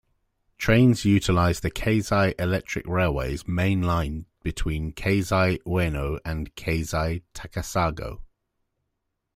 Trains utilize the Keisei Electric Railway's Main Line between Keisei Ueno and Keisei-Takasago.